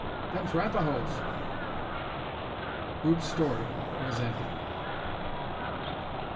"Them's Rapahoes!" Rube's story was ended.